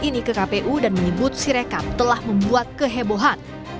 ini ke kpu dan menyebut sirekap telah membuat kehebohan